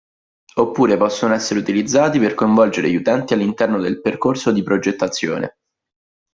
Oppure possono essere utilizzati per coinvolgere gli utenti all'interno del percorso di progettazione.